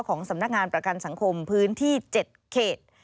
สำนักงานประกันสังคมพื้นที่๗เขต